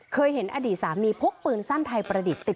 เคยเห็นอดีตสามีพกปืนสั้นไทยประดิษฐ์ติด